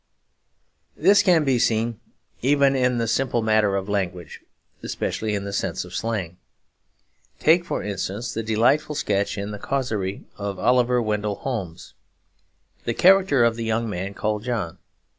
This can be seen even in the simple matter of language, especially in the sense of slang. Take, for instance, the delightful sketch in the causerie of Oliver Wendell Holmes; the character of the young man called John.